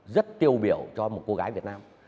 rất tiêu biểu cho một cô gái việt nam